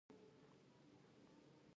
مېوې د افغانستان د امنیت په اړه هم اغېز لري.